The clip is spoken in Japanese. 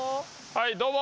はいどうも。